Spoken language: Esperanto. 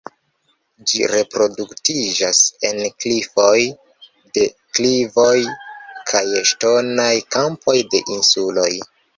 Ĝi reproduktiĝas en klifoj, deklivoj kaj ŝtonaj kampoj de insuloj.